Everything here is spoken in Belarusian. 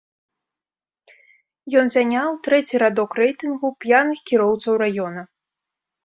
Ён заняў трэці радок рэйтынгу п'яных кіроўцаў раёна.